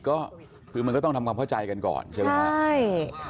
ก็คือมันก็ต้องทำความเข้าใจกันก่อนใช่ไหมครับใช่